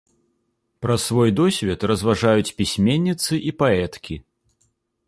Пра свой досвед разважаюць пісьменніцы і паэткі.